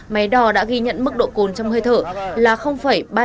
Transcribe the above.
máy đo đã ghi nhận mức độ cồn trong hơi thở là ba trăm sáu mươi bảy mg